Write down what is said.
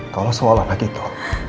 kalau seolah olah gitu